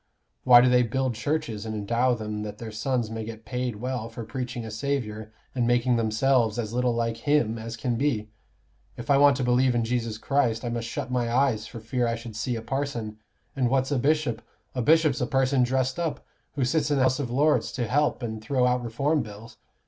Why do they build churches and endow them that their sons may get paid well for preaching a Saviour, and making themselves as little like Him as can be? If I want to believe in Jesus Christ, I must shut my eyes for fear I should see a parson. And what's a bishop? A bishop's a person dressed up, who sits in the House of Lords to help and throw out Reform Bills.